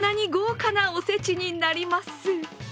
こんなに豪華なおせちになります。